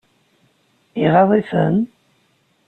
Iɣaḍ-iten?